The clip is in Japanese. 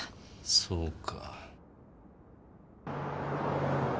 そうか。